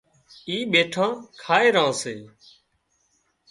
اِي ٻيٺان کائي ران سي